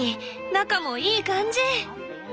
中もいい感じ！